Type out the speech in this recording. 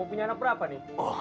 punya anak berapa nih